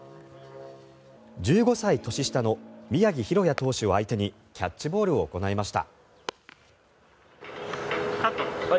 １５歳年下の宮城大弥投手を相手にキャッチボールを行いました。